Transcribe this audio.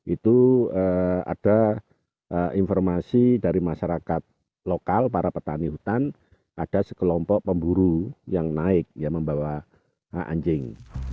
itu ada informasi dari masyarakat lokal para petani hutan ada sekelompok pemburu yang naik yang membawa anjing